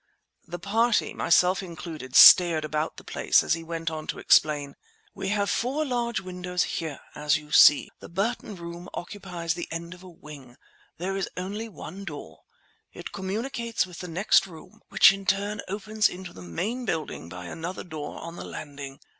The party, myself included, stared about the place, as he went on to explain— "We have four large windows here; as you see. The Burton Room occupies the end of a wing; there is only one door; it communicates with the next room, which in turn opens into the main building by another door on the landing.